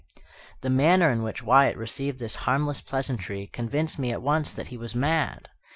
The manner in which Wyatt received this harmless pleasantry convinced me at once that he was mad.